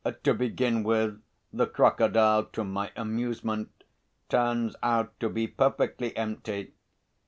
To begin with, the crocodile, to my amusement, turns out to be perfectly empty.